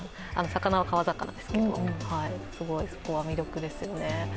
魚は川魚ですけど、そこは魅力ですよね。